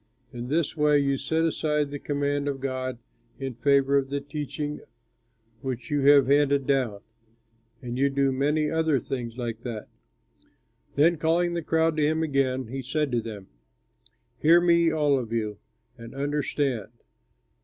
In this way you set aside the command of God in favor of the teaching which you have handed down; and you do many other things like that." Then calling the crowd to him again, he said to them, "Hear me, all of you, and understand.